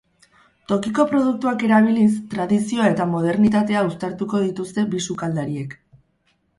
Tokiko produktuak erabiliz, tradizioa eta modernitatea uztartuko dituzte bi sukaldariek.